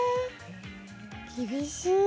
厳しい。